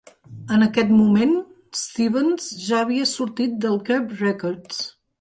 En aquest moment, Stevens ja havia sortit de Curb Records.